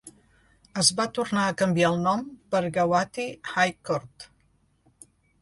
Es va tornar a canviar el nom per Gauhati High Court.